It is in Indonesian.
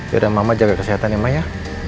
yaudah mama jaga kesehatan ya ma ya